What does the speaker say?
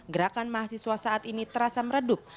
gerakan mahasiswa saat ini terasa meredup